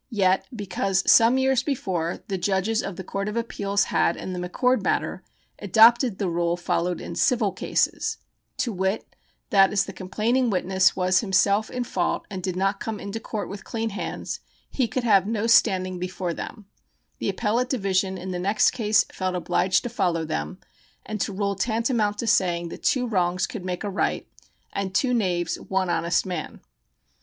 Yet, because some years before, the Judges of the Court of Appeals had, in the McCord matter, adopted the rule followed in civil cases, to wit that as the complaining witness was himself in fault and did not come into court with clean hands he could have no standing before them, the Appellate Division in the next case felt obliged to follow them and to rule tantamount to saying that two wrongs could make a right and two knaves one honest man.